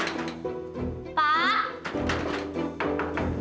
nggak tahu abah